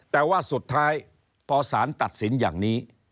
แต่ว่าสุดท้ายพอสารตัดสินอย่างนี้